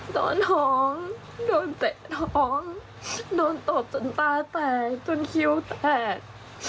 ท้องโดนเตะท้องโดนตบจนตาแตกจนคิ้วแตก